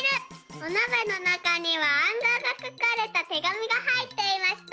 おなべのなかにはあんごうがかかれたてがみがはいっていました。